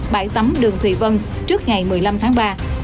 bãi tắm đường thùy vân trước ngày một mươi năm tháng ba